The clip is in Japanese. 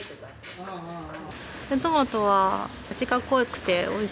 トマトは味が濃くておいしいですね。